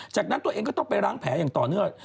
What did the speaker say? จากนั้นตัวเองก็ต้องไปล้างแผลอย่างต่อเนื่อง